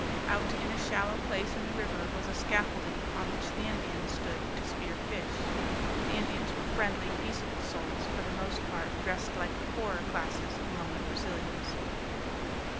Out in a shallow place in the river was a scaffolding on which the Indians stood to spear fish. The Indians were friendly, peaceable souls, for the most part dressed like the poorer classes among the Brazilians.